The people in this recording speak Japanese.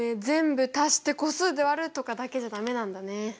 全部足して個数で割るとかだけじゃ駄目なんだね。